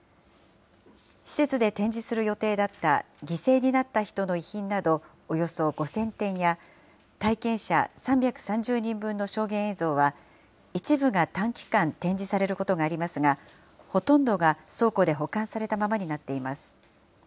施設で展示する予定だった、犠牲になった人の遺品などおよそ５０００点や、体験者３３０人分の証言映像は、一部が短期間、展示されることがありますが、ほとんどが倉庫で保管されたままになっています。